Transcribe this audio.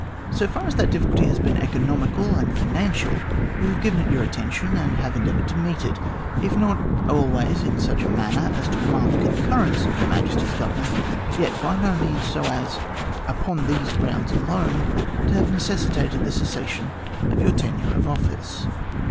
So far as that difficulty has been economical and financial, you have given it your attention, and have endeavoured to meet it, if not always in such a manner as to command the concurrence of Her Majesty's Government, yet by no means so as, upon these grounds alone, to have necessitated the cessation of your tenure of office.